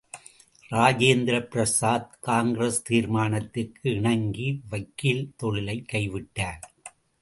இராஜேந்திர பிரசாத், காங்கிரஸ் தீர்மானத்துக்கு இணங்கி வக்கீல் தொழிலைக் கை விட்டார்.